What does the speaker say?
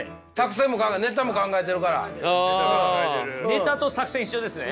ネタと作戦一緒ですね。